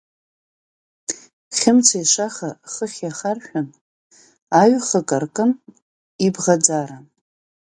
Хьымца ишаха хыхь иахаршәын, аҩ-хык аркын ибӷаӡара.